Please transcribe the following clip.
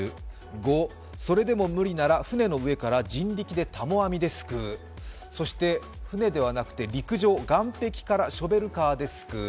５、それでも無理なら船の上から人力でたも網ですくう、そして、船ではなくて陸上、岸壁からショベルカーですくう。